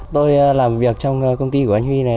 tôi làm việc trong công ty của anh huy này